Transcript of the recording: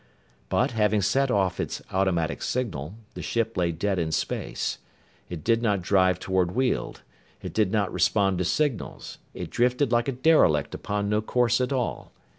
But, having sent off its automatic signal, the ship lay dead in space. It did not drive toward Weald. It did not respond to signals. It drifted like a derelict upon no course at all.